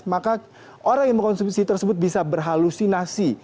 maka orang yang mengkonsumsi tersebut bisa berhalusinasi